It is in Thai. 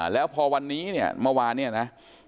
แล้วพอวันนี้เนี่ยเมื่อวานเนี่ยนะ